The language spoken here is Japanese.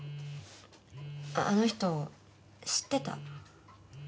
あの人知ってた。